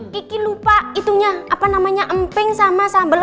kiki lupa itunya apa namanya emping sama sambal